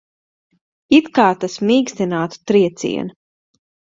It kā tas mīkstinātu triecienu.